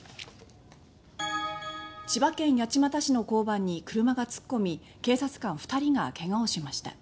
千葉県八街市の交番に車が突っ込み警察官２人が怪我をしました。